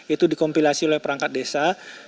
itu dikompilasi oleh perangkat desa